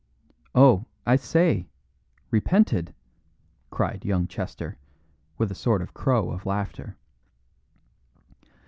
"Oh, I say repented!" cried young Chester, with a sort of crow of laughter.